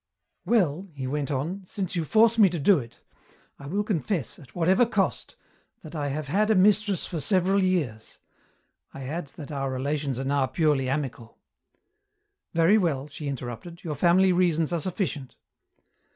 "Well," he went on, "since you force me to do it, I will confess, at whatever cost, that I have had a mistress for several years I add that our relations are now purely amical " "Very well," she interrupted, "your family reasons are sufficient."